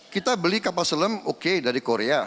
kita beli kapal selam oke dari korea